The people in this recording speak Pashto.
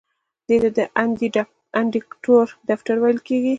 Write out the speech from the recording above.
دې ته د اندیکاتور دفتر ویل کیږي.